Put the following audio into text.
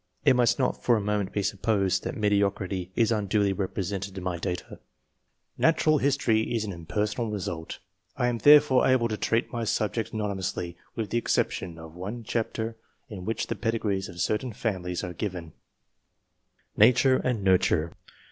It must not for a moment be supposed that mediocrity is unduly represented in my data. Natural history is an impersonal result ; I am therefore able to treat my subject anony mously, with the exception of one chapter in which the pedigrees of certain families are given. 12 ENGLISH MEN OF SCIENCE. [chap. NATURE AND NURTURE.